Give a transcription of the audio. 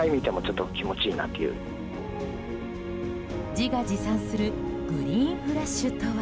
自画自賛するグリーンフラッシュとは？